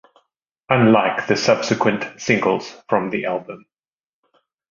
Unlike the subsequent singles from the album.